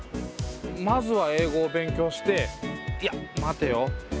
まずは英語を勉強していや待てよ。